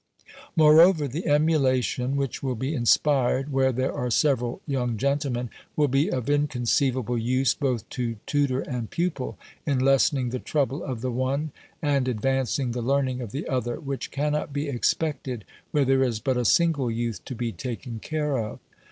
Moreover, the emulation which will be inspired, where there are several young gentlemen, will be of inconceivable use both to tutor and pupil, in lessening the trouble of the one, and advancing the learning of the other, which cannot be expected where there is but a single youth to be taken care of.